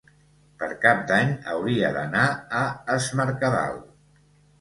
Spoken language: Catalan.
Per Cap d'Any hauria d'anar a Es Mercadal.